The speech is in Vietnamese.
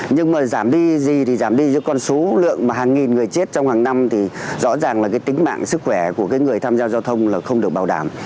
nhưng mà giảm đi gì thì giảm đi chứ con số lượng mà hàng nghìn người chết trong hàng năm thì rõ ràng là cái tính mạng sức khỏe của cái người tham gia giao thông là không được bảo đảm